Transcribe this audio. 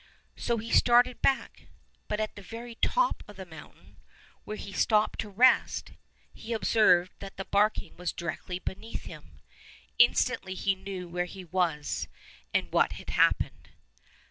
So he started back; but at the very top of the mountain, where he stopped to rest, he ob served that the barking was directly beneath him. Instantly he knew where he was and what had happened.